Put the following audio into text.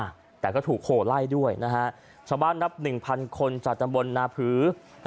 อ่ะแต่ก็ถูกโหไล่ด้วยนะฮะชาวบ้านนับหนึ่งพันคนจากตำบลนาผือ